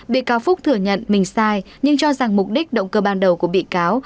bị cáo phúc thừa nhận mình sai nhưng cho rằng mục đích động cơ ban đầu của bị cáo